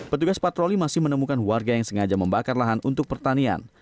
petugas patroli masih menemukan warga yang sengaja membakar lahan untuk pertanian